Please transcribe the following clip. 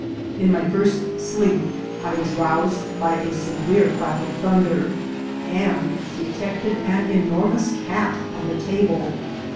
In my first sleep I was roused by a severe clap of thunder, and detected an enormous cat on the table.